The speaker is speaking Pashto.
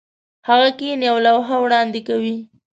هغه کښېني او لوحه وړاندې کوي.